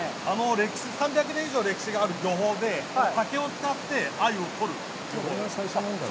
歴史３００年以上歴史がある漁法で竹を使ってアユを取るものです。